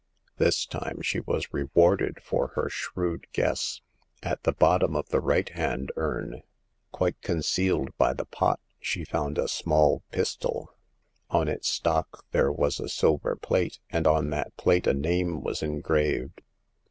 This time she was rewarded for her shrewd guess. At the bottom of the right hand urn, quite concealed by the pot, she found a small 2i8 Hagar of the Pawn Shop. pistol. On its stock there was a silver plate, and on that plate a name was engraved.